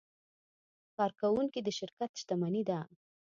کارکوونکي د شرکت شتمني ده.